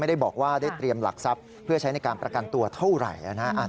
ได้บอกว่าได้เตรียมหลักทรัพย์เพื่อใช้ในการประกันตัวเท่าไหร่นะ